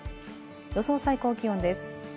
予想最高気温です。